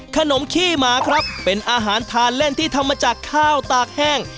ขี้หมาครับเป็นอาหารทานเล่นที่ทำมาจากข้าวตากแห้ง